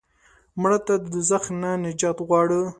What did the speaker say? مړه ته د دوزخ نه نجات غواړو